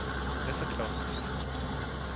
Nesetkal jsem se s ním.